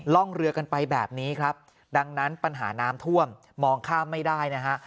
ร่องเรือกันไปแบบนี้ครับดังนั้นปัญหาน้ำท่วมมองข้ามไม่ได้นะฮะ